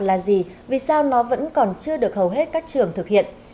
là gì vì sao nó vẫn còn chưa được hầu hết các trường thực hiện